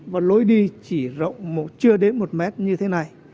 và lối đi chỉ rộng một chưa đến một mét như thế này